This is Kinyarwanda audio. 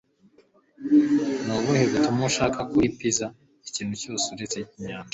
ni ubuhe butumwa ushaka kuri pizza? ikintu cyose uretse inyanja